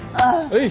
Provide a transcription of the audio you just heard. はい。